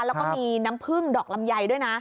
แล้วก็มีน้ำพึ่งดอกลำไยด้วยนะ